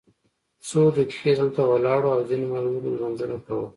څو دقیقې دلته ولاړ وو او ځینو ملګرو لمونځونه کول.